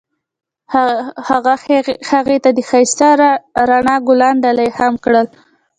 هغه هغې ته د ښایسته رڼا ګلان ډالۍ هم کړل.